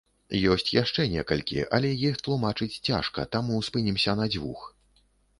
Ёсць яшчэ некалькі, але іх тлумачыць цяжка, таму спынімся на дзвюх.